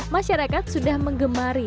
masyarakat sudah mengemari